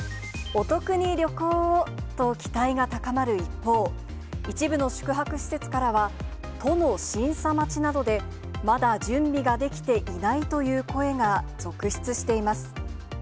お得に旅行をと期待が高まる一方、一部の宿泊施設からは、都の審査待ちなどで、まだ準備が出来ていないという声が続出しています。